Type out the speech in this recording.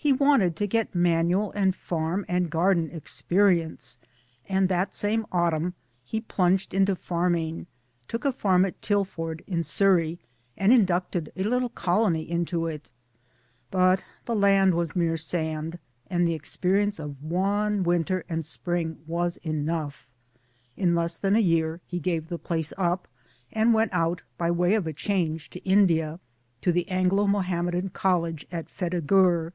He wanted to get manual and farm and garden experience, and that same autumn he plunged into farming took a farm at Tilford in Surrey, and in ducted a little colony into it. But the land was mere sand, and the experience of one winter and spring was enough I In less than a year he gave the place up, and went out, by way of a change, to India, to the Anglo Mohammedan College at Futtehgtir.